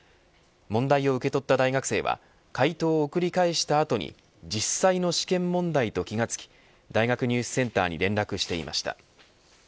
問題を受け取った大学生は解答を送り返した後に実際の試験問題と気が付き大学入試センターに連絡していました。